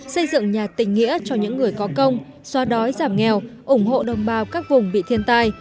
xây dựng nhà tình nghĩa cho những người có công xóa đói giảm nghèo ủng hộ đồng bào các vùng bị thiên tai